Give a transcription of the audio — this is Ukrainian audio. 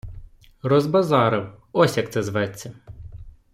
- Розбазарив - ось як це зветься!